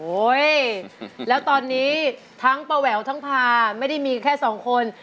แล้วตอนนี้ทั้งป้าแหววทั้งพาไม่ได้มีแค่สองคน